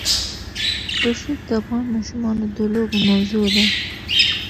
رسوب د افغان ماشومانو د لوبو موضوع ده.